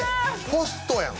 ホストやん